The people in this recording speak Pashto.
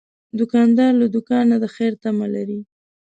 دوکاندار له دوکان نه د خیر تمه لري.